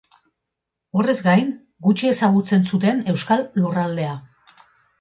Horrez gain, gutxi ezagutzen zuten euskal lurraldea.